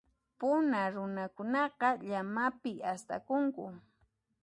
Puna runakunaqa, llamapi astakunku.